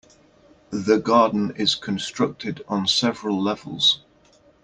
The garden is constructed on several levels.